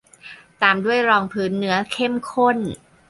ตามด้วยรองพื้นเนื้อเข้มข้น